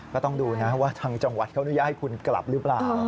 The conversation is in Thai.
ก็ต้องดูนะว่าทางจังหวัดเขาอนุญาตให้คุณกลับหรือเปล่า